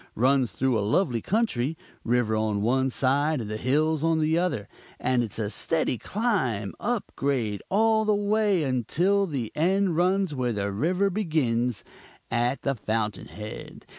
Runs through a lovely country river on one side and the hills on the other; and it's a steady climb, up grade all the way until the run ends where the river begins, at the fountain head.